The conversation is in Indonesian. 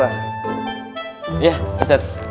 waalaikumsalam ustadz ridwan